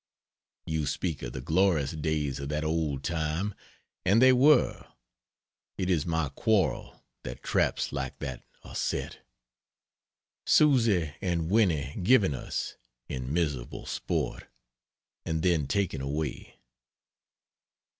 You speak of the glorious days of that old time and they were. It is my quarrel that traps like that are set. Susy and Winnie given us, in miserable sport, and then taken away.